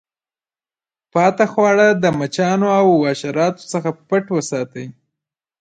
پاته خواړه د مچانو او حشراتو څخه پټ وساتئ.